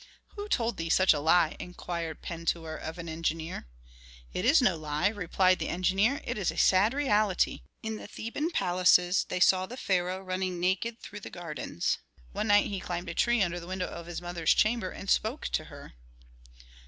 "Who told thee such a lie?" inquired Pentuer of an engineer. "It is no lie," replied the engineer, "it is sad reality. In the Theban palaces they saw the pharaoh running naked through the gardens. One night he climbed a tree under the window of his mother's chamber, and spoke to her."